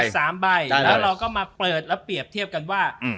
แล้วเราก็มาเปิดแล้วเปรียบเทียบกันว่า